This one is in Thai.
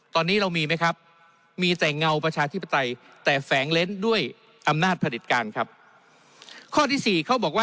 ตอนนี้เรามีไหมครับมีแต่เงาประชาธิปไตยแต่แฝงเล้นด้วยอำนาจผลิตการครับ